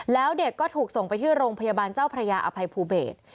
แล้วเด็กก็ถูกส่งไปที่โรงพยาบาลเจ้าพระยาอภัยภูเบศ